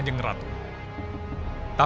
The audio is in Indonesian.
termin droit dulu ya